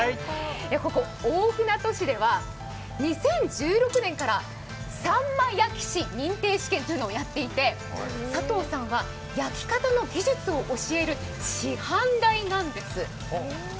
ここ大船渡市では、２０１６年からさんま焼き師認定試験というのをやっていて、佐藤さんは焼き方の技術を教える師範代なんです。